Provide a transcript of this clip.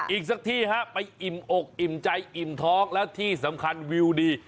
อีกสักที่ฮะไปอิ่มอกอิ่มใจอิ่มท้องแล้วที่สำคัญวิวดี